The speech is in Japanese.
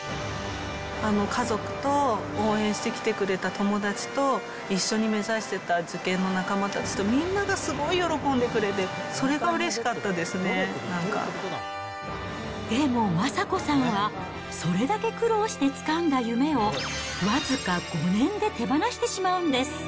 家族と、応援してきてくれた友達と、一緒に目指してた受験の仲間たちと、みんながすごい喜んでくれて、それがうれしかったででも昌子さんは、それだけ苦労してつかんだ夢を、僅か５年で手放してしまうんです。